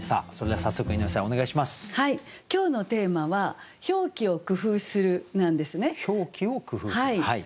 はい今日のテーマは「表記を工夫する」なんですね。